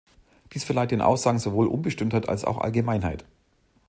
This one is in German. Dies verleiht den Aussagen sowohl Unbestimmtheit als auch Allgemeinheit.